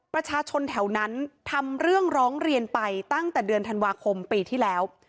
ประชาชนแถวนั้นทำเรื่องร้องเรียนไปตั้งแต่เดือนธันวาคมปีที่แล้ว